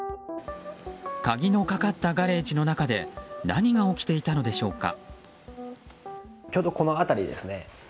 鍵のかかったガレージの中で何が起きていたのでしょうか。